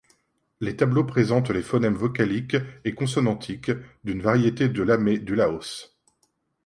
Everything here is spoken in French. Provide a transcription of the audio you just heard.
Les tableaux présentent les phonèmes vocaliques et consonantiques d'une variété de lamet du Laos.